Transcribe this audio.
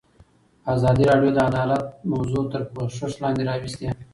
ازادي راډیو د عدالت موضوع تر پوښښ لاندې راوستې.